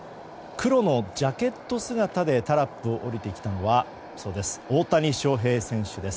黒のジャケット姿でタラップを降りてきたのは大谷翔平選手です。